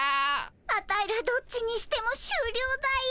アタイらどっちにしてもしゅうりょうだよ。